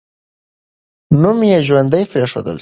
نوم یې ژوندی پرېښودل سو.